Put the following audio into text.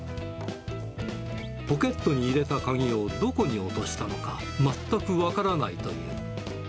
ポケットに入れた鍵をどこに落としたのか、全く分からないという。